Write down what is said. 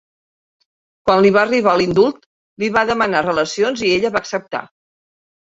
Quan li va arribar l'indult, li va demanar relacions i ella va acceptar.